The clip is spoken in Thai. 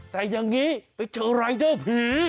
แต่อย่างนี้ไปเจอรายเดอร์ผี